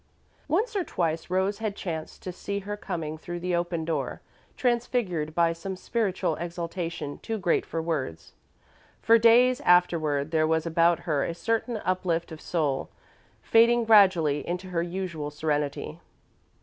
Once or twice, Rose had chanced to see her coming through the open door, transfigured by some spiritual exaltation too great for words. For days afterward there was about her a certain uplift of soul, fading gradually into her usual serenity.